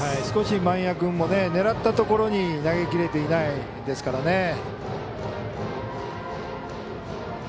少し萬谷君も狙ったところに投げきれていないですからね。